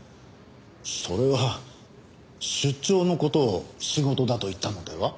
それは出張の事を仕事だと言ったのでは？